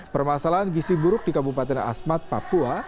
permasalahan gisi buruk di kabupaten asmat papua